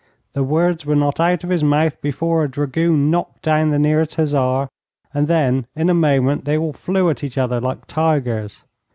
The words were not out of his mouth before a dragoon knocked down the nearest hussar, and then, in a moment, they all flew at each other like tigers.